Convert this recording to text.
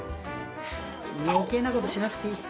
余計なことしなくていい！